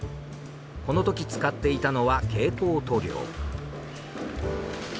このとき使っていたのは蛍光塗料。